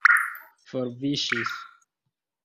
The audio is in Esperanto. forviŝis